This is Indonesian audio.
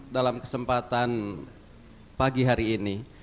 dalam kesempatan pagi hari ini